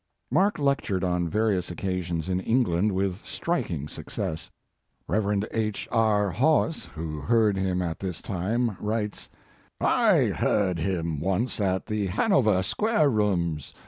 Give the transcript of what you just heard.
Mark lectured on various occasions in England with striking success. Rev. H. R. Haweis, who heard him at this time, writes: "I heard hin once at the Hanover Square rooms.